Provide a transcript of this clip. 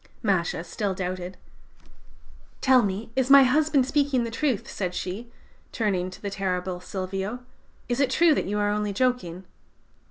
"Masha still doubted. "'Tell me, is my husband speaking the truth?' said she, turning to the terrible Silvio: 'is it true that you are only joking?'